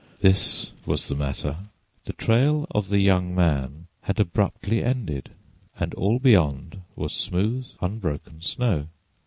This was the matter: the trail of the young man had abruptly ended, and all beyond was smooth, unbroken snow.